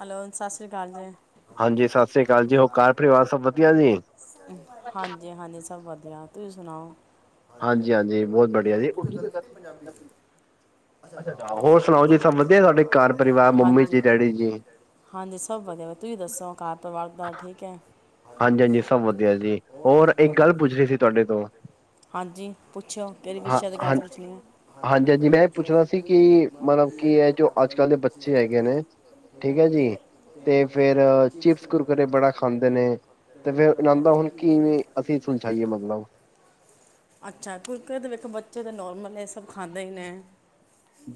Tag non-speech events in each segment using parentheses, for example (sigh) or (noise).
Hello, ਹਾਂਜੀ ਸਸ ਰੀ ਕਾਲ ਜੀ, ਹੋਰ ਘਰ ਪਰਿਵਾਰ ਸਭ ਵਧੀਆ ਜੀ। ਹਾਂਜੀ -ਹਾਂਜੀ, ਸਭ ਵਧੀਆ। ਤੁਸੀਂ ਸੁਣਾਓ ਅੱਛਾ ਹੋਰ ਸੁਣਾਓ ਜੀ, ਸਭ ਵਧੀਆ ਤੁਹਾਡੇ ਘਰ ਪਰਿਵਾਰ ਮੰਮੀ ਜੀ, ਡੈਡੀ ਜੀ। ਹਾਂਜੀ ਸਭ ਵਧੀਆ, ਤੁਸੀਂ ਦੱਸੋ ਘਰ ਪਰਿਵਾਰ ਠੀਕ ਐ। ਹਾਂਜੀ, ਪੁੱਛਿਓ ਮੇਰੇ ਪਿੱਛੇ ਦੀ ਗੱਲ ਪੁੱਛਣੀ ਆ। (inaudible) ਠੀਕ ਹੈ ਜੀ, ਤੇ ਫੇਰ ਚਿਪਸ ਕੁਰਕੁਰੇ ਬੜਾ ਖਾਂਦੇ ਨੇ। ਤੇ ਫੇਰ ਇਹਨਾਂ ਦਾ ਹੁਣ ਕਿਵੇਂ ਅਸੀਂ ਸੁਲਝਾਈਏ ਮਤਲਬ ਅੱਛਾ ਕੁੁਰਕਰੇ ਤੇ ਬੱਚੇ ਦੇ ਨੋਰਮਲ ਨੇ, ਇਹ ਸਭ ਖਾਂਦੇ ਹੀ ਨੇ।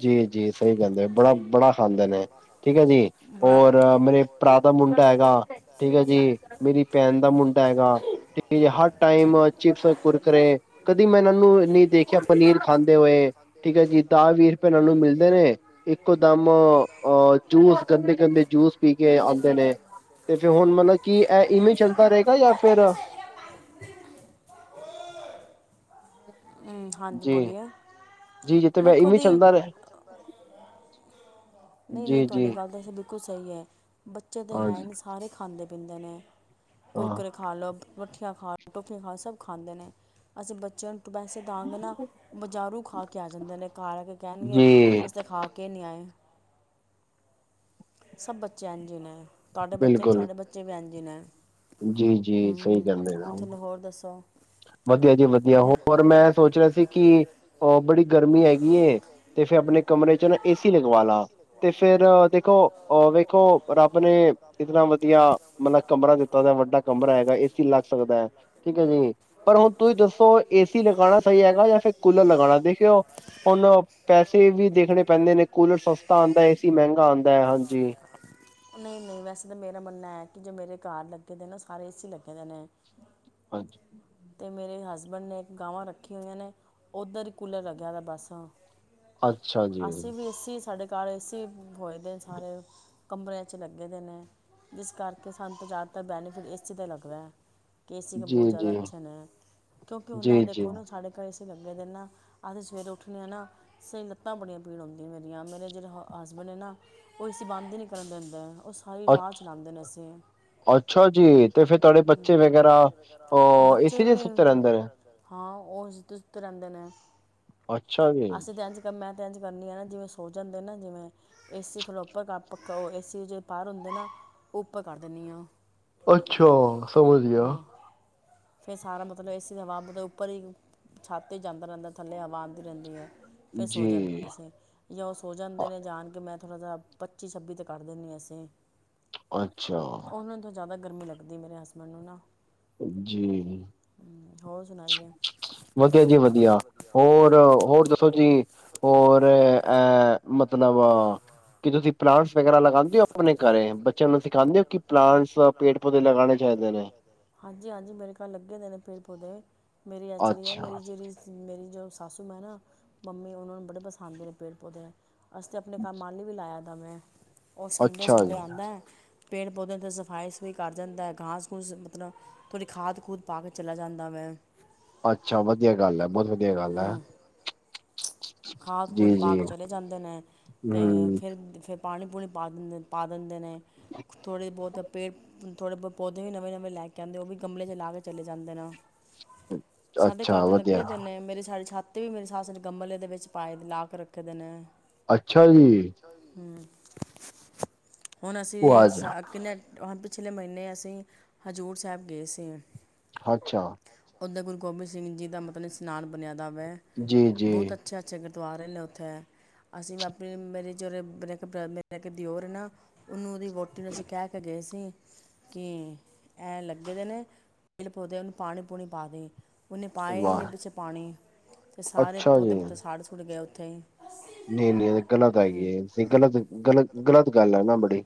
ਜੀ -ਜੀ ਸਹੀ ਕਹਿੰਦੇ ਬੜਾ -ਬੜਾ ਖਾਂਦੇ ਨੇ, ਠੀਕ ਹੈ ਜੀ ਔਰ ਮੇਰੇ ਭਰਾ ਦਾ ਮੁੰਡਾ ਹੈਗਾ ਠੀਕ ਹੈ ਜੀ, ਮੇਰੀ ਭੈਣ ਦਾ ਮੁੰਡਾ ਹੈਗਾ ਠੀਕ ਹੈ ਜੀ, ਹਰ ਟਾਈਮ ਚਿਪਸ ਕੁਰਕਰੇ, ਕਦੀ ਮੈਂ ਇਹਨਾਂ ਨੂੰ ਨਹੀਂ ਦੇਖਿਆ ਪਨੀਰ ਖਾਂਦੇ ਹੋਏ, ਠੀਕ ਹੈ ਜੀ ਦਾ ਵੀਰ ਨੂੰ ਮਿਲਦੇ ਨੇ, ਇੱਕੋ ਦਮ ਅ ਜੂਸ ਗੰਦੇ -ਗੰਦੇ ਜੂਸ ਪੀ ਕੇ ਆਂਦੇ ਨੇ। ਤੇ ਫੇਰ ਹੁਣ ਮਤਲਬ ਕੀ ਇਹ ਇਵੇਂ ਚੱਲਦਾ ਰਹੇਗਾ, ਜਾਂ ਫੇਰ (unintelligible) ਜੀ -ਜੀ- ਜੀ ਤੇ ਮੈਂ ਇਵੇਂ ਚੱਲਦਾ ਰਿਹਾ ਨਹੀਂ- ਨਹੀਂ ਤੁਹਾਡੀ ਗੱਲ ਤਾਂ ਅਸੀ ਬਿਲਕੁਲ ਸਹੀ ਐ, ਬੱਚੇ ਤਾਂ ਹੈ ਨਹੀਂ ਸਾਰੇ ਖਾਂਦੇ -ਪੀਂਦੇ ਨੇ। ਕੁੁਰਕੁਰੇ ਖਾ ਲਓ, ਭੱਠੀਆਂ ਖਾ ਲਓ, ਟੋਪੀਆਂ ਖਾ ਲਓ, ਸਭ ਖਾਂਦੇ ਨੇ ਅਸੀਂ ਬੱਚਿਆਂ ਨੂੰ ਵੈਸੇ ਬੱਚੇ ਨਾ ਬਜ਼ਾਰੋਂ ਖਾ ਕੇ ਆ ਜਾਂਦੇ, ਨੇ ਘਰ ਆ ਕੇ ਕਹਿਣਗੇ ਅਸੀਂ ਤਾਂ ਖਾ ਕੇ ਨਹੀਂ ਆਏ। ਸਭ ਬੱਚੇ ਇੰਝ ਨੇ ਤੁਹਾਡੇ ਬੱਚੇ ਨੀ, ਸਾਡੇ ਬੱਚੇ ਵੀ ਇੰਝ ਨੇ। ਜੀ -ਜੀ ਸਹੀ ਕਹਿੰਦੇ ਨੇ। ਵਧੀਆ ਜੀ ਵਧੀਆ, ਹੋਰ ਮੈਂ ਸੋਚ ਰਿਹਾ ਸੀ ਕਿ ਬੜੀ ਗਰਮੀ ਹੈਗੀ ਏ। ਤੇ ਫਿਰ ਆਪਣੇ ਕਮਰੇ ਚ ਨਾ ਏ ਸੀ ਲਗਵਾਲਾ। ਤੇ ਫੇਰ ਦੇਖੋ ਔਹ ਵੇਖੋ, ਰੱਬ ਨੇ ਇਤਨਾ ਵਧੀਆ ਮਤਲਬ ਕਮਰਾ ਦਿੱਤਾ। ਬੜਾ ਵੱਡਾ ਕਮਰਾ ਹੈਗਾ, ਏਸੀ ਲੱਗ ਸਕਦਾ ਹੈ ਠੀਕ ਹੈ ਜੀ। ਪਰ ਹੁਣ ਤੁਸੀਂ ਦੱਸੋ ਏਸੀ ਲਗਾਣਾ ਸਹੀ ਹੈਗਾ, ਜਾਂ ਫਿਰ ਕੂਲਰ ਲਗਾਣਾ, ਦੇਖਿਓ ਹੁਣ ਪੈਸੇ ਵੀ ਦੇਖਣੇ ਪੈਂਦੇ ਨੇ ਕੂਲਰ ਸਸ ਨਹੀਂ- ਨਹੀਂ ਵੈਸੇ ਤਾਂ ਮੇਰਾ ਮੰਨਣਾ ਹੈ, ਕਿ ਜੇ ਮੇਰੇ ਘਰ ਲੱਗੇ ਦੇ ਨੇ, ਸਾਰੇ ਏਸੀ ਲੱਗੇ ਦੇ ਨੇ ਹਾਂਜੀ। ਤੇ ਮੇਰੇ ਹਸਬੇਡ ਨੇ ਇੱਕ ਗਾਂਵਾਂ ਰੱਖੀ ਹੋਈਆ ਨੇ ਉੱਧਰ ਹੀ ਕੂਲਰ ਲੱਗਿਆ ਹੋਈਆਂ ਹਾ ਬੱਸ ਅੱਛਾ ਜੀ। ਸਾਡੇ ਘਰ ਏਸੀ ਹੋਏ ਦੇ ਸਾਰੇ ਕਮਰਿਆਂ ਚ ਲੱਗੇ ਦੇ ਨੇ, ਜਿਸ ਕਰਕੇ ਸਾਨੂੰ ਤੇ ਜ਼ਿਆਦਾਤਰ ਬੈਨੀਫਿਟ ਏਸੀ ਦਾ ਲੱਗਦਾ ਐ। ਏਸੀ ਬਹੁਤ ਜ਼ਿਆਦਾ ਅੱਛੇ ਨੇ ਕਿਉਂਕਿ ਦੇਖੋ ਨਾ ਸਾਡੇ ਘਰੇ ਸੀ ਲੱਗੇ ਦੇ ਨਾ, ਅਸੀਂ ਸਵੇਰੇ ਉਠਨੇ ਆ ਨਾ ਸਹੀ ਲੱਤਾਂ ਬੜੀਆਂ ਪੀੜ ਹੁੰਦੀਆਂ ਮੇਰੀਆਂ, ਮੇਰੇ ਜਦੋਂ ਹ ਹੇਸਬੇਡ ਆਪਣੇ ਨਾ ਉਹ ਏਸੀ ਬੰਦ ਹੀ ਨੀ ਕਰਨ ਦਿੰਦੇ। ਉਹ ਸਾਰੀ ਰਾਤ ਚਲਾਉਦੇ ਨੇ ਏਸੀਂ। ਬੱਚੇ ਵੀ ਹਾਂ ਉਹ ਸੁੱਤੇ ਰਹਿੰਦੇ ਨੇ ਅਸੀਂ ਤਾਂ ਇਝ, ਮੈਂ ਤਾਂ ਇਝ ਕਰਨੀ ਆ ਨਾ ਜਿਵੇਂ ਸੋ ਜਾਂਦੇ ਨਾ ਜਿਵੇਂ ਏਸੀ ਥੋੜ੍ਹਾ ਉੱਪਰ, ਏਸੀ ਦੇ ਪਰ ਹੁੰਦੇ ਨਾ ਉਹ ਉੱਪਰ ਕਰ ਦਿੰਦੀ ਆ। ਅੱਛਾ, ਸਮਝ ਗਿਆ। ਫੇਰ ਸਾਰਾ ਮਤਲਬ ਏਸੀ ਹਵਾ ਮਤਲਬ ਉੱਪਰ ਹੀ ਛੱਤ ਤੇ ਜਾਂਦਾ ਰਹਿੰਦਾ, ਥੱਲੇ ਹਵਾ ਆਉਂਦੀ ਰਹਿੰਦੀ ਏ। ਫਿਰ ਸੋ ਜਾਂਣ ਅਸੀ, ਉਹ ਸੋ ਜਾਂਣਦੇ ਨੇ ਜਾਣ ਕੇ ਮੈਂ ਮੈਂ ਤਾਂ ਪੱਚੀ-ਛੱਬੀ ਤੇ ਕਰ ਦੇਣੀ ਏਸੀਂ ਅੱਛਾ। ਗਰਮੀ ਲੱਗਦੀ ਮੇਰੇ ਹਸਬੈਂਡ ਨੂੰ ਨਾ ਜੀ। ਹੋਰ ਸੁਣਾਈ ਏ? ਵਧੀਆ ਜੀ ਵਧੀਆ, ਹੋਰ-ਹੋਰ ਦੱਸੋ ਜੀ ਹੋਰ ਅਹ ਮਤਲਬ ਨਵਾ ਕਿ ਤੁਸੀਂ ਪਲਾਂਟਸ ਵਗੈਰਾ ਲਗਾਦੇ ਹੋ ਆਪਣੇ ਘਰੇ, ਬੱਚਿਆਂ ਨੂੰ ਸਿਖਾਦੇ ਹੋ ਕਿ ਪਲਾਂਟਸ ਪੇੜ ਪੌਦੇ ਲਗਾਣੇ ਚਾ ਚਾਹੀਦੇ ਨੇ ਜੀ ਹਾਂਜੀ, ਮੇਰੇ ਘਰ ਲੱਗੇ ਦੇ ਨੇ ਪੇੜ ਪੌਦੇ। ਮੇਰੀ ਐਚਰੀ ਹੈ ਮੇਰੀ ਜਿਹੜੀ ਮੇਰੀ ਜੋ ਸਸੂ ਮਾਂ ਏ ਨਾ, ਮੰਮੀ ਉਹਨਾਂ ਨੂੰ ਬੜੇ ਪਸੰਦ ਨੇ ਪੇੜ ਪੌਦੇ, ਅਸੀਂ ਆਪਣੇ ਘਰ ਮਾਲੀ ਵੀ ਲਾਇਆ। ਮੈਂ, ਉਹ ਸੰਡੇ-ਸੰਡੇ ਆਦਾ। ਪੇੜ ਪੌਧਿਆਂ ਉੱਤੇ ਸਫਾਈ ਸਫੂਾਈ ਕਰ ਜਾਂਦਾ। ਘਾਸ-ਘੂਸ ਮਤਲਬ ਥੋੜੀ ਖਾਦ-ਖੂਦ ਪਾ ਕੇ ਚਲਾ ਜਾਂਦਾ ਵੇ। ਅੱਛਾ, ਵਧੀਆ ਗੱਲ ਐ, ਬਹੁਤ ਵਧੀਆ ਗੱਲ ਐ। ਖਾਦ ਖੂਦ ਪਾ ਕੇ ਚਲੇ ਜਾਂਦੇ ਨੇ ਤੇ ਫੇਰ ਫ ਪਾਣੀ-ਪੂਣੀ ਪਾ ਦਿੰਦੇ ਪਾ ਦਿੰਦੇ ਨੇ ਥੋੜ੍ਹੇ ਬਹੁਤ ਪੇੜ ਥੋੜ੍ਹੇ ਬਹੁਤ ਪੌਦੇ ਵੀ ਨਵੇਂ-ਨਵੇਂ ਲੈ ਕੇ ਆਦੇ, ਉਹ ਵੀ ਗਮਲੇ ਚ ਲਾ ਕੇ ਚਲੇ ਜਾਂਦੇ ਨੇ ਸਾਡੇ ਘਰ ਤੇ ਲੱਗੇ ਜਾਂਨੇ, ਮੇਰੀ ਸਾਡੀ ਛਾਤੀ ਪੱਤੇ ਵੀ ਮੇਰੀ ਸੱਸ ਗਮਲੇ ਦੇ ਵਿੱਚ ਪਾਏ ਲਾ ਕੇ ਰੱਖੇ ਦੇ ਨੇ ਅੱਛਾ ਜੀ। ਹੁਣ ਅਸੀਂ ਸਾ ਕਿੰਨੇ ਹੁਣ ਪਿਛਲੇ ਮਹੀਨੇ ਅਸੀਂ ਹਜ਼ੂਰ ਸਾਹਿਬ ਗਏ ਸੀ। ਅੱਛਾ। ਉੱਦਰ ਗੁਰੂ ਗੋਬਿੰਦ ਸਿੰਘ ਜੀ ਦਾ ਮਤਲਬ ਇਸ਼ਨਾਨ ਬਣਿਆ ਦਾ ਵੈ, ਬਹੁਤ ਅੱਛੇ-ਅੱਛੇ ਗੁਰਦੁਆਰੇ ਨੇ ਉੱਥੇ ਅਸੀਂ ਆਪਣੀ ਮੇਰੀ ਜਿਹੜ ਮੇਰਾ ਇੱਕ ਦਿਓਰ ਏ ਨਾ ਉਹਨੂੰ ਉਹਦੀ ਵੋਟੀ ਨੂੰ ਅਸੀਂ ਕਹਿ ਕੇ ਗਏ। ਅਸੀਂ ਕਿ ਐ ਲੱਗੇ ਦੇ ਨੇ ਤੇਲ ਪੌਦੇ ਉਹਨੂੰ ਪਾਣੀ ਪੂਣੀ ਪਾ ਦਹੀਂ, ਉਹਨੇ ਪਾਏ ਹੀ ਨਹੀਂ ਪਿੱਛੇ ਪਾਣੀ ਤੇ ਸਾਰੇ ਪੌਦੇ ਮਤਲਬ ਸਾੜ ਸੁੂੜ ਗਏ, ਉੱਥੇ ਹੀ ਨਹੀਂ-ਨਹੀਂ ਗਲਤ ਹੈਗੀ ਏ, ਗਲਤ-ਗਲਤ-ਗਲਤ ਗੱਲ ਹੈ ਨਾ ਬੜੀ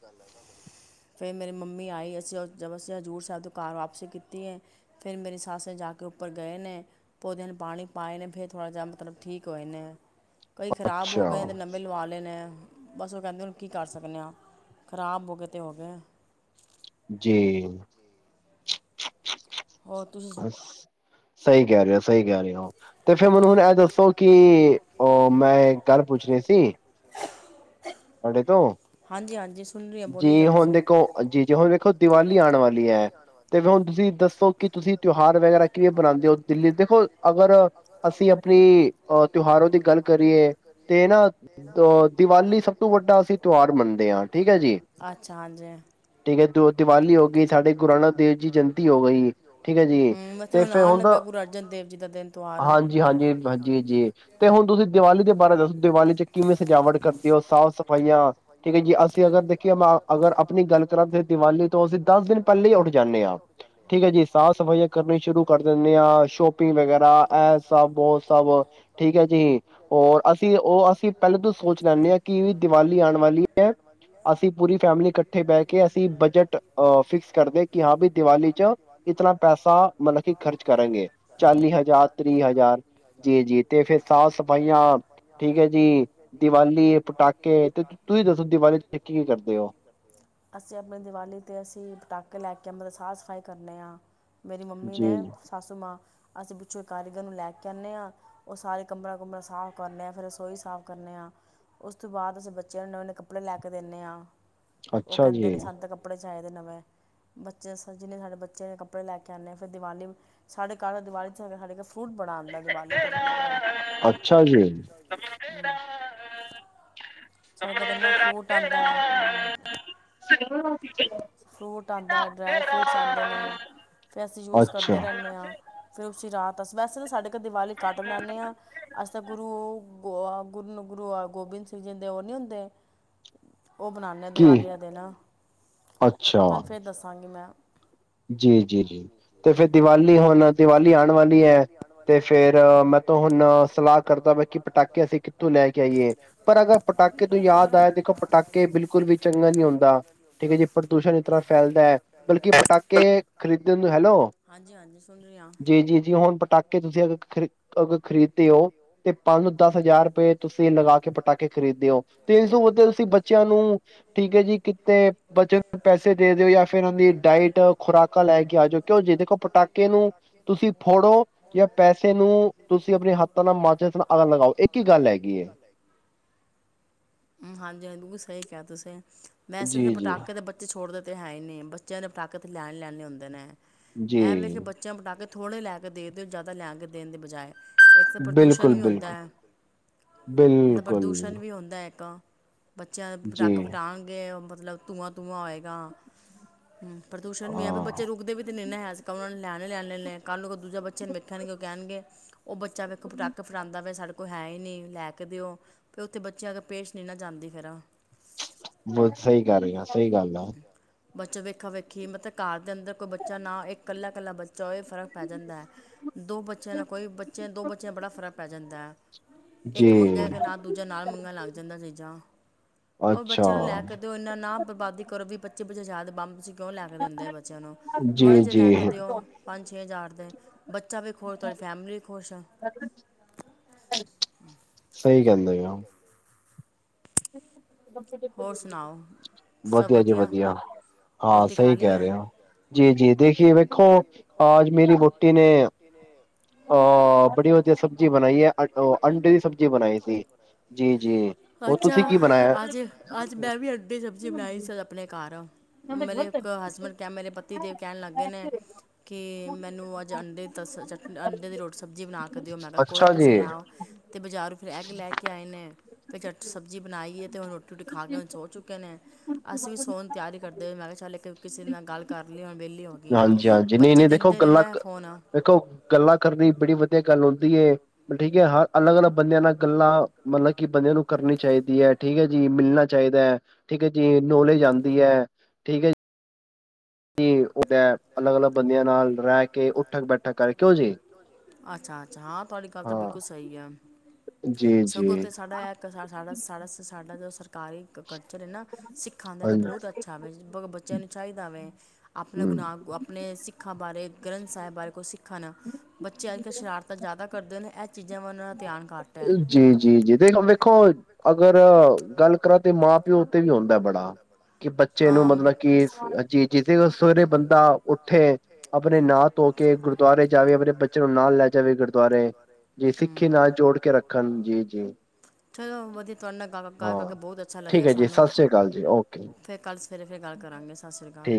ਫਿਰ ਮੇਰੀ ਮੰਮੀ ਆਈ, ਅਸੀਂ ਉਹ ਜਦੋ ਅਸੀਂ ਹਜ਼ੂਰ ਸਾਹਿਬ ਤੋਂ ਕਾਰ ਵਾਪਸੀ ਕੀਤੀ ਐ ਫਿਰ ਮੇਰੀ ਸੱਸ ਨੇ ਜਾ ਕੇ ਉ ਉੱਪਰ ਗਏ ਨੇ, ਪੌਦਿਆਂ ਨੂੰ ਪਾਣੀ ਪਾਏ ਨੇ ਫਿਰ ਥੋੜ੍ਹਾ ਜਿਹਾ ਮਤਲਬ ਠੀਕ ਹੋਏ ਨੇ। ਕਈ ਖ਼ਰਾਬ ਹੋ ਗਏ ਤੇ ਨਵੇਂ ਲਵਾ ਲਏ ਐ ਬਸ ਉਹ ਕਹਿੰਦੇ ਹਨੂੰ ਕੀ ਕਰ ਸਕਦੇ ਆ। ਖਰਾਬ ਹੋ ਗਏ ਤੇ ਹੋ ਗਏ। ਜੀ, ਹੋਰ ਤੁਸੀਂ ਸੁਣਾਓ? ਸਹੀ ਕਹਿ ਰਹੇ ਹੋ ਸਹੀ ਕਹਿ ਰਹੇ ਹੋ ਉਹ ਤੇ ਫੇਰ ਮੈਨੂੰ ਹੁਣ ਇਹ ਦੱਸੋ ਕਿ ਉਹ ਮੈਂ ਪੁੱਛ ਰਹੇ ਸੀ। ਔਰ ਦੇਖੋ, ਹਾਂਜੀ-ਹਾਂਜੀ, ਜੀ ਹੁਣ ਦੇਖੋ ਜੀ ਜੀ, ਹੁਣ ਦੇਖੋ ਦੀਵਾਲੀ ਆਣ ਵਾਲੀ ਐ ਤੇ ਹੁਣ, ਤੁਸੀਂ ਦੱਸੋ? ਕੀ ਤੁਸੀਂ ਤਿਉਹਾਰ ਵਗੈਰਾ, ਕਿਵੇਂ ਬਨਾਦੇ ਹੋ ਦਿੱਲੀ ਦੇਖੋ ਅਗਰ ਅਸੀਂ ਆਪਣੀ ਅਹ ਤਿਉਹਾਰੋ ਦੀ ਗੱਲ ਕਰੀਏ। ਤੇ ਨਾ ਅ ਦੀਵਾਲੀ ਸਭ ਤੋਂ ਵੱਡਾ ਅਸੀਂ ਤਿਉਹਾਰ ਮੰਨਦੇ ਆ। ਅੱਛਾ ਹਾਂਜੀ, ਦਿਵਾਲੀ ਹੋ ਗਈ ਸਾਡੇ ਗੁਰੂ ਨਾਨਕ ਦੇਵ ਜੀ ਜੈਯੰਤੀ ਹੋ ਗਈ ਠੀਕ ਐ ਜੀ ਤੇ ਫੇਰ ਹੁਣ ਹਾਂਜੀ-ਹਾਂਜੀ-ਹਾਂਜੀ ਜੀ ਤੇ ਹੁਣ ਤੁਸੀਂ ਦੀਵਾਲੀ ਦੇ ਬਾਰੇ ਦੱਸੋ ਦੀਵਾਲੀ ਚ ਕਿਵੇਂ ਸਜਾਵਟ ਕਰ ਦਿਓ ਸਾਫ਼ ਸਫਾਈਆਂ ਠੀਕ ਐ ਜੀ, ਅਸੀਂ ਅਗਰ ਦੇਖੀਏ ਮ ਅਗਰ ਆਪਣੀ ਗੱਲ ਕਰ ਤੇ, ਦੀਵਾਲੀ ਤੋਂ ਅਸੀਂ ਦਸ ਦਿਨ ਪਹਿਲੇ ਈ ਉੱਠ ਜਾਂਦੇ ਹਾਂ ਠੀਕ ਐ ਜੀ ਸਾਫ਼ ਸਫ਼ਾਈਆਂ ਕਰਨੀਆਂ ਸ਼ੁਰੂ ਕਰ ਦਿਨੇ ਆ। ਸ਼ੋਪਿੰਗ ਵਗੈਰਾ ਇਹ ਸਭ ਉਹ ਸਭ ਠੀਕ ਐ ਜੀ ਅਸੀਂ ਉਹ ਅਸੀਂ ਪਹਿਲ ਤੋਂ ਸੋਚ ਲੈਣੇ ਆ ਕਿ ਦਿਵਾਲੀ ਆਣ ਵਾਲੀ ਐ, ਅਸੀਂ ਪੂਰੀ ਫੈਮਿਲੀ ਇਕੱਠੇ ਬਹਿ ਕੇ ਅਸੀਂ ਬਜਟ ਫਿਕਸ ਕਰਦੇ ਕਿ ਹਾਂ ਵੀ ਦੀਵਾਲੀ ਚ ਇਤਨਾ ਪੈਸਾ ਮਤਲਬ ਕਿ ਖਰਚ ਕਰੇਗੇ। ਚਾਲੀ ਹਜ਼ਾਰ ਤ੍ਰੀਹ ਹਜ਼ਾਰ ਜੀ-ਜੀ ਤੇ ਫੇਰ ਸਾਫ਼ ਸਫ਼ਾਈਆਂ ਠੀਕ ਐ ਜੀ ਦੀਵਾਲੀ ਪਟਾਕੇ ਤੇ ਤੁਸੀਂ ਦੱਸੋ ਦੀਵਾਲੀ ਚ ਕੀ-ਕੀ ਕਰਦੇ ਹੋ ਅਸੀਂ ਆਪਣੀ ਦਿਵਾਲੀ 'ਤੇ ਅਸੀਂ ਪਟਾਕੇ ਲੈ ਕੇ ਮਤਲਬ ਸਾਫ਼ ਸਫ਼ਾਈ ਕਰਨੇ ਆ ਮੇਰੀ ਮੰਮੀ ਨੇ ਸਾਸੂ ਮਾਂ ਅਸੀਂ ਪਿੱਛੋਂ ਕਾਰੀਗਰ ਨੂੰ ਲੈ ਕੇ ਆਣੇ ਆ ਉਹ ਸਾਰੇ ਕਮਰਾ ਕੁਮਰਾ ਸਾਫ਼ ਕਰਨੇ ਆ ਫਿਰ ਰਸੋਈ ਸਾਫ਼ ਕਰਨੇ ਆ ਉਸ ਤੋਂ ਬਾਅਦ ਅਸੀਂ ਬੱਚਿਆਂ ਨੂੰ ਨਵੇਂ ਕੱਪੜੇ ਲੈ ਕੇ ਦਿੰਦੇ ਆ ਕਹਿੰਦੇ ਨੇ ਸਾਨੂੰ ਤਾਂ ਕੱਪੜੇ ਚਾਹੀਦੇ ਨਵੇਂ ਬੱਚੇ ਜਿਨੇ ਸਾਡੇ ਬੱਚੇ ਨੇ ਕੱਪੜੇ ਲੈ ਕੇ ਆਣੇ ਫਿਰ ਦੀਵਾਲੀ ਸਾਡੇ ਘਰ ਦੀਵਾਲੀ ਚ ਸਾਡੇ ਫਰੂਟ ਬੜਾ ਆਂਦੇ ਦਿਵਾਲੀ ਤੇ ਸਾਡੇ ਘਰ ਹਾਂਜੀ ਸਾਡੇ ਘਰ ਤਾਂ ਐਨਾ ਫਰੂਟ ਆਂਦਾ ਫਰੂਟ ਆਂਦਾ ਡਰਾਈ ਫਰੂਟਸ ਆਂਦੇ ਨੇ ਫਿਰ ਅਸੀਂ ਯੂਸ ਕੱਢਦੇ ਰਹਿਣੇ ਆ ਫਿਰ ਉਸੀ ਰਾਤ ਵੈਸੇ ਨਾ ਸਾਡੇ ਘਰ ਦਿਵਾਲੀ ਘੱਟ ਮਨਾਣੇ ਆ ਅਸੀ ਤਾਂ ਗੁਰੂ ਉਹ ਗ ਗੁਰੂ-ਗੁਰੂ ਆ ਗੋਬਿੰਦ ਸਿੰਘ ਜੀ ਦੇ ਉਹ ਨੀ ਹੁੰਦੇ ਉਹ ਬਣਾਣੇ ਦਿਵਾਲੀ ਦਿਨ ਤੁਹਾਨੂੰ ਫਿਰ ਦੱਸਾਂਗੀ ਮੈਂ ਜੀ-ਜੀ, ਜੀ ਤੇ ਫੇਰ ਦੀਵਾਲੀ ਹੁਣ ਦੀਵਾਲੀ ਆਣ ਵਾਲੀ ਐ ਤੇ ਫੇਰ ਮ ਤੋਂ ਹੁਣ ਸਲਾਹ ਕਰਦਾ ਮੈਂ ਕਿ ਪਟਾਕੇ ਅਸੀਂ ਕਿੱਥੋਂ ਲੈ ਕੇ ਆਈਏ ਪਰ ਅਗਰ ਪਟਾਕੇ ਤੋਂ ਯਾਦ ਆਇਆ ਦੇਖੋ ਪਟਾਕੇ ਬਿਲਕੁਲ ਵੀ ਚੰਗਾ ਨਹੀ ਹੁੰਦਾ ਠੀਕ ਐ ਜੇ ਪ੍ਰਦੂਸ਼ਣ ਇਸ ਤਰ੍ਹਾਂ ਫੈਲਦਾ ਬਲਕਿ ਪਟਾਕੇ ਕੇ ਖਰੀਦਣ ਹੈਲੋ ਜੀ-ਜੀ, ਜੀ ਹੁਣ ਪਟਾਕੇ ਤੁਸੀਂ ਅ ਖ ਅ ਖਰੀਦਦੇ ਹੋ ਤੇ ਪੰਜ ਦਸ ਹਜ਼ਾਰ ਰੁਪਏ ਤੁਸੀਂ ਲਗਾ ਕੇ ਪਟਾਕੇ ਖਰੀਦ ਦੇ ਓ ਤੇ ਇਸ ਤੋਂ ਤੁਸੀਂ ਬੱਚਿਆਂ ਨੂੰ ਠੀਕ ਐ ਜੀ ਕਿਤੇ ਬੱਚਿਆਂ ਨੂੰ ਪੈਸੇ ਦੇ ਦਿਓ ਜਾਂ ਫੇਰ ਉਹਨਾਂ ਦੀ ਡਾਇਟ ਖੁਰਾਕਾਂ ਲੈ ਕੇ ਆ ਜਾਓ ਕਿਉਂ ਜੇ ਦੇਖੋ ਪਟਾਕੇ ਨੂੰ ਤੁਸੀਂ ਫੋੜੋ ਜਾਂ ਪੈਸੇ ਨੂੰ ਤੁਸੀਂ ਆਪਣੇ ਹੱਥਾਂ ਨਾਲ ਮਾਚਿਸ ਨਾਲ ਅੱਗ ਲਗਾਓ ਇੱਕ ਹੀ ਗੱਲ ਹੈਗੀ ਐ ਹਾਂਜੀ-ਹਾਂਜੀ, ਸਹੀ ਕਿਹਾ ਤੁਸੀਂ ਵੈਸੇ ਤਾਂ ਪਟਾਕੇ ਦੇ ਬ ਛੋੜਦੇ ਤੇ ਹੈਈ ਨੀ ਬੱਚਿਆਂ ਦੇ ਪਟਾਕੇ ਤੇ ਲੈਣ ਲੈਣੇ ਹੁੰਦੇ ਨੇ ਐਂ ਵੇਖ ਬੱਚਿਆਂ ਪਟਾਕੇ ਥੋੜ੍ਹੇ ਲੈ ਕੇ ਦੇ ਦੋ ਜ਼ਿਆਦਾ ਲਿਆ ਕੇ ਦੇਣ ਦੀ ਬਜਾਏ ਇੱਕ ਤਾਂ ਪ੍ਰਦੂਸ਼ਣ ਵੀ ਹੁੰਦਾ ਮਤਲਬ ਪ੍ਰਦੂਸ਼ਣ ਵੀ ਹੁੰਦਾ ਇੱਕ ਬੱਚਿਆਂ ਦੇ ਪਟਾਕੇ ਫਟਾਣਗੇ ਮਤਲਬ ਧੂੰਆਂ-ਧੂੰਆਂ ਹੋਏਗਾ ਹੂੰ ਪ੍ਰਦੂਸ਼ਣ ਵੀ ਐ ਬੱਚੇ ਰੁਕਦੇ ਵੀ ਤਾਂ ਨਹੀਂ ਨਾ ਉਹਨਾਂ ਨੇ ਲਿਆਣਾ ਈ ਲਿਆਣਾ ਆ ਕੱਲ ਦੂਜੇ ਬੱਚੇ ਨੂੰ ਵੇਖਣਗੇ ਉਹ ਕਹਿਣਗੇ ਉਹ ਬੱਚਾ ਵੇਖ ਪਟਾਕੇ ਫਟਾਂਦਾ ਵਾ ਸਾਡੇ ਕੋਲ ਹੈ ਹੀ ਨਹੀ ਲੈ ਕੇ ਦਿਓ ਫ ਉੱਥੇ ਬੱਚਿਆਂ ਪੇਸ਼ ਨਹੀ ਨਾ ਜਾਂਦੀ ਫੇਰ ਬਸ ਸਹੀ ਕਹਿ ਰਹੀ ਹਾ ਸਹੀ ਗੱਲ ਆ ਬੱਚ ਵੇਖਾ-ਵੇਖੀ ਮਤਲਬ ਘਰ ਦੇ ਅੰਦਰ ਕੋਈ ਬੱਚਾ ਨਾ ਇੱਕ ਇਕੱਲਾ-ਇਕੱਲਾ ਬੱਚ ਬੱਚਾ ਫਰਕ ਪੈ ਜਾਂਦਾ ਹੈ ਦੋ ਬੱਚਿਆਂ ਨਾਲ ਕੋਈ ਬੱਚਿਆਂ ਦੋ ਬੱਚਿਆਂ ਬੜਾ ਫਰਕ ਪੈ ਜਾਂਦਾ ਇੱਕ ਮੰਗਿਆ ਕਿ ਨਾਲ ਦੂਜਾ ਨਾਲ ਮੰਗਣ ਲੱਗ ਜਾਂਦਾ ਚੀਜ਼ਾਂ ਉਹ ਬੱਚੇ ਨੂੰ ਲੈ ਕੇ ਤੇ ਉਹ ਇੰਨਾ ਨਾ ਬਰਬਾਦੀ ਕਰੋ ਵੀ ਬੱਚੇ ਬ ਯਾਦ ਬੰਬ ਸੀ ਕਿਉਂ ਲੈ ਕੇ ਦਿੰਦੇ ਆ ਬੱਚਿਆਂ ਨੂੰ ਥੋੜੇ ਜਿਹੇ ਲੈ ਕੇ ਦਿਓ ਪੰਜ ਛੇ ਹਜ਼ਾਰ ਦੇ ਬੱਚਾ ਵੀ ਖੋ ਤੇ ਫੈਮਲੀ ਖੋਸ਼ ਸਹੀ ਕਹਿੰਦੇ ਵਧੀਆ ਜੀ ਵਧੀਆ ਹਾਂ ਸਹੀ ਕਹਿ ਰਹੇ ਹੋ ਜੀ-ਜੀ ਦੇਖ ਜ ਵੇਖੋ ਆਜ ਮੇਰੀ ਵੋਟੀ ਨੇ ਅਹ ਬੜੀ ਵਧ ਸਬਜ਼ੀ ਬਣਾਈ ਹੈ ਉਹ ਅੰਡੇ ਦੀ ਸਬਜ਼ੀ ਬਣਾਈ ਸੀ ਜੀ-ਜੀ। ਅੱਛਾ ਅੱਜ-ਅੱਜ ਮੈਂ ਵੀ ਅੰਡੇ ਦੀ ਸਬਜ਼ੀ ਬਣਾਈ ਸੀ ਆਪਣੇ ਘੱਰ ਮੇਰੇ ਇੱਕ ਹਸਬੈਂਡ ਕ ਮੇਰੇ ਪਤੀ ਦੇਵ ਕਹਿਣ ਲੱਗ ਗੇ ਨੇ ਕਿ ਮੈਨੂੰ ਅੱਜ ਅੰਡੇ ਤਸ ਚਟ ਅੰਡੇ ਦੀ ਰੋਟੀ ਸਬਜ਼ੀ ਬਣਾ ਕੇ ਦਿਓ ਮੈਂ ਕਿਹਾ ਕੋਈ ਤੁਸੀਂ ਲੈਓ ਅਤੇ ਬਜ਼ਾਰੋਂ ਫਿਰ ਐੱਗ ਲੈ ਕੇ ਆਏ ਨੇ ਅਤੇ ਚਟ ਸਬਜ਼ੀ ਬਣਾਈਏ ਤੇ ਰੋਟੀ-ਰੁਟੀ ਖਾ ਕੇ ਹੁਣ ਸੋ ਚੁੱਕੇ ਨੇ ਅਸੀ ਵੀ ਸੋਨ ਦੀ ਤਿਆਰੀ ਕਰਦੇ ਹੋਏ ਮੈਂ ਕਿਹਾ ਚੱਲ ਕਿਸੇ ਦੇ ਨਾਲ ਗੱਲ ਕਰ ਲਈ ਹੋਣ ਵਿਹਲੀ ਹੋ ਗਈਆਂ ਬੱਚੇ ਦਿੰਦੇ ਨੇ ਨਾ ਫੋਨ- ਦੀ ਬੜੀ ਵਧੀਆ ਗੱਲ ਹੁੰਦੀ ਏ। ਠੀਕ ਹੈ ਹਰ ਅਲੱਗ-ਅਲੱਗ ਬੰਦਿਆਂ ਨਾਲ ਗੱਲਾਂ ਮਤਲਬ ਕਿ ਬੰਦਿਆਂ ਨੂੰ ਕਰਨੀ ਚਾਹੀਦੀ ਐ ਠੀ ਜੀ ਮਿਲਣਾ ਚਾਹੀ ਚਾਹੀਦਾ ਠੀਕ ਹੈ ਜੀ ਨੌਲੇਜ ਆਂਦੀ ਹੈ ਠੀਕ ਹੈ ਜੀ। ਕਿ ਉਹ ਅਲੱਗ-ਅਲੱਗ ਬੰਦਿਆਂ ਨਾਲ ਰਹਿ ਕੇ ਉੱਠਕ- ਬੈਠਕ ਕਰ ਕਿਉ ਜੀ? ਅੱਛਾ-ਅੱਛਾ ਹਾਂ ਤੁਹਾਡੀ ਗੱਲ ਤਾਂ ਬਿਲਕੁਲ ਸਹੀ ਆ। ਸਗੋਂ ਤੇ ਸਾਡਾ ਇਹ ਸਾਡਾ-ਸਾਡਾ-ਸਾਡਾ ਜੋ ਸਰਕਾਰੀ ਕਲਚਰ ਹੈ ਨਾ ਸਿੱਖਾਂ ਦਾ ਤਾਂ ਬਹੁਤ ਅੱਛਾ ਵੇ ਬੱਚਿਆਂ ਨੂੰ ਚਾਹੀਦਾ ਵੇ ਆਪਣਾ ਗੁਣਾ- ਅਪਣੇ ਸਿੱਖਾਂ ਬਾਰੇ- ਗ੍ਰੰਥ ਸਾਹਿਬ ਬਾਰੇ ਕੁਝ ਸਿੱਖਾਣ ਬੱਚੇ ਅੱਜ-ਕੱਲ੍ਹ ਸ਼ਰਾਰਤਾਂ ਜ਼ਿਆਦਾ ਕਰਦੇ ਨੇ ਇਹ ਚੀਜ਼ਾਂ ਵਲ ਉਹਨਾਂ ਜੀ-ਜੀ-ਜੀ ਦੇਖ ਵੇਖੋ ਅਗਰ ਗੱਲ ਕਰਾਂ ਤੇ ਮਾ- ਪਿਓ ਤੇ ਵੀ ਆਦਾ ਬੜਾ ਕਿ ਬੱਚੇ ਨੂੰ ਮਤਲਬ ਕਿ ਜੇ ਜੇ ਸਰੇ ਬੰਦਾ ਉੱਠੇ ਆਪਣੇ ਨਾਂ ਧੋ ਕੇ ਗੁਰਦੁਆਰੇ ਜਾਵੇ ਆਪਣੇ ਬੱਚਿਆਂ ਨੂੰ ਨਾਲ ਲੈ ਜਾਵੇ ਗੁਰਦੁਆਰੇ। ਜੀ ਸਿੱਖੀ ਨਾਲ ਜੋੜ ਕੇ ਰੱਖਣ ਜੀ-ਜੀ। ਚਲੋ ਵਧੀਆ ਤੁਹਾਡੇ ਨਾਲ ਗੱਲ ਕਰਕੇ ਬਹੁਤ ਅੱਛਾ ਲੱਗਿਆ ਸਾਨੂੰ- ਫਿਰ ਕੱਲ੍ਹ ਸਵੇਰੇ ਫਿਰ ਗੱਲ ਕਰਾਂਗੇ ਸਤਿ ਸ਼੍ਰੀ ਅਕਾਲ।